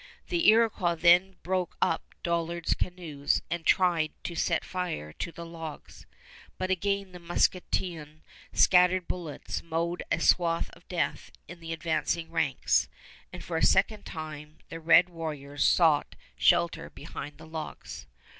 The Iroquois then broke up Dollard's canoes and tried to set fire to the logs; but again the musketoon's scattering bullets mowed a swath of death in the advancing ranks, and for a second time the red warriors sought shelter behind the logs.